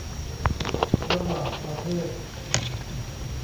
ระหว่างประเทศ